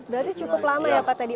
berarti cukup lama ya pak tadi